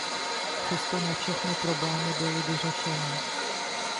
Přesto ne všechny problémy byly vyřešeny.